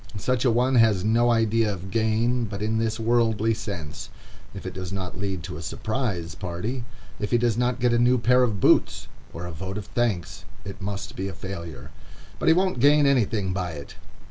Such a one has no idea of gain but in this worldly sense. If it does not lead to a "surprise" party, if he does not get a new pair of boots, or a vote of thanks, it must be a failure. "But he won't gain anything by it."